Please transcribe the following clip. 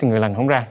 người lần không ra